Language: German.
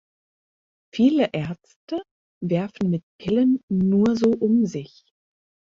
Viele Ärzte werfen mit Pillen nur so um sich.